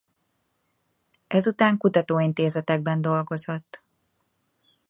Ezután kutatóintézetekben dolgozott.